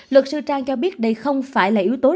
luật sư trang cho biết đây không phải là yếu tố